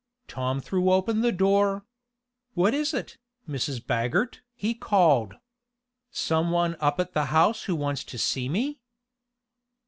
Tom threw open the door. "What is it, Mrs. Baggert?" he called. "Some one up at the house who wants to see me?"